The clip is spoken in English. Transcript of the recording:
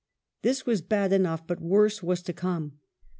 This was bad enough, but worse was to come.